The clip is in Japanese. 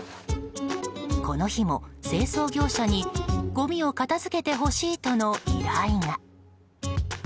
この日も、清掃業者にごみを片付けてほしいとの依頼が。